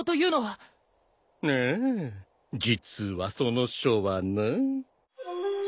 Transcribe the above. ああ実はその書はな。